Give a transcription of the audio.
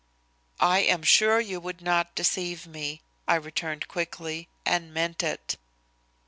"I am sure you would not deceive me," I returned quickly, and meant it.